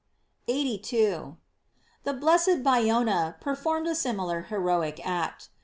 * 82. — The blessed Bionda performed a similar heroic act.